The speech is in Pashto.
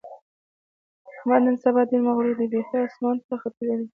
احمد نن سبا ډېر مغرور دی؛ بیخي اسمان ته ختلی دی.